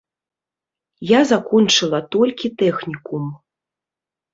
Я закончыла толькі тэхнікум.